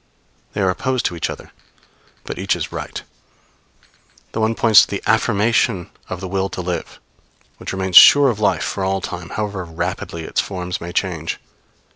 They are opposed to each other, but each is right. The one points to the affirmation of the will to live, which remains sure of life for all time, however rapidly its forms may change.